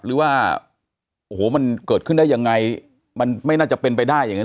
หรือว่าโอ้โหมันเกิดขึ้นได้ยังไงมันไม่น่าจะเป็นไปได้อย่างเง